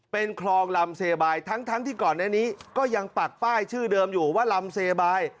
เป็นคลองลำเซบายทั้งที่ก่อนหน้านี้ก็ยังปักป้ายชื่อเดิมอยู่ว่าลำเซบาย